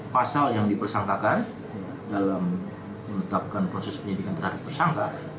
pasal yang dipersangkakan dalam menetapkan proses penyidikan terhadap tersangka